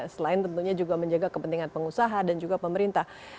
selain tentunya juga menjaga kepentingan pengusaha dan juga pemerintah